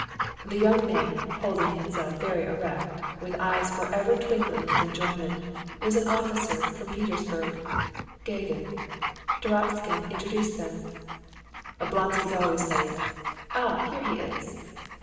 The young man, holding himself very erect, with eyes forever twinkling with enjoyment, was an officer from Petersburg, Gagin. Turovtsin introduced them. "Oblonsky's always late." "Ah, here he is!"